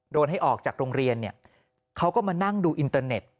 ให้ออกจากโรงเรียนเนี่ยเขาก็มานั่งดูอินเตอร์เน็ต